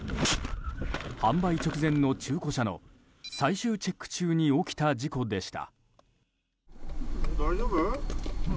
販売直前の中古車の最終チェック中に起きた事故でした。